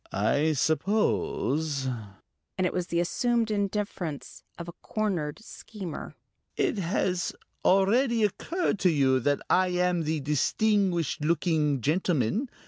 "I suppose," and it was the assumed indifference of a cornered schemer, "it has already occurred to you that I am the 'distinguished looking gentleman.'